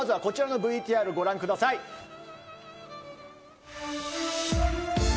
こちらのＶＴＲをご覧ください。